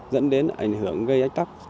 dẫn đến ảnh hưởng gây ách tắc